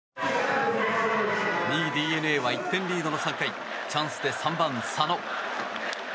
２位、ＤｅＮＡは１点リードの３回チャンスで３番、佐野。